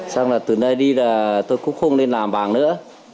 xong rồi từ đây đi là tôi cũng không nên làm vàng nữa